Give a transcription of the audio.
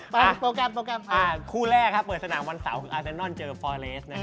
พูดเพื่ออะไร